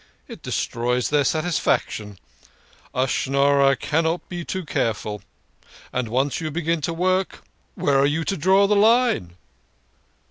It destroys their satisfaction. A Schnorrer cannot be too careful. And once you begin to work, where are you to draw the line